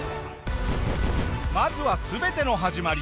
まずは全ての始まり